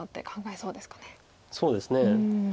そうですね。